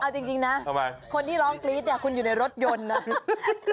เอาจริงนะคนที่ร้องกรี๊ดเนี่ยคุณอยู่ในรถยนต์นะ